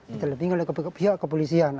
diterlinking oleh pihak kepolisian